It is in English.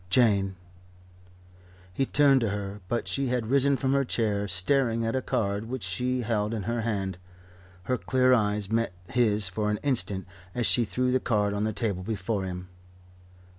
Jane " He turned to her, but she had risen from her chair, staring at a card which she held in her hand. Her clear eyes met his for an instant as she threw the card on the table before him.